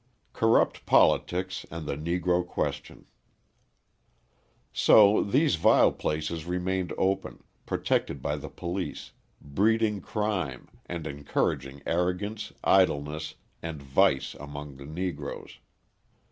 Corrupt Politics and the Negro Question So these vile places remained open, protected by the police, breeding crime, and encouraging arrogance, idleness, and vice among the Negroes.